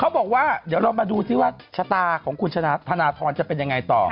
บอกว่าเดี๋ยวเรามาดูซิว่าชะตาของคุณธนทรจะเป็นยังไงต่อ